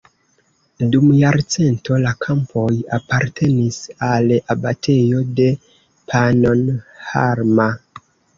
Dum jarcento la kampoj apartenis al abatejo de Pannonhalma.